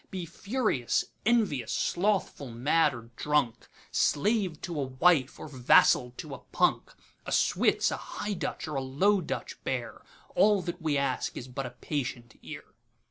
Be furious, envious, slothful, mad, or drunk, Slave to a wife, or vassal to a punk,A Switz, a High Dutch or a Low Dutch bear; All that we ask is but a patient ear.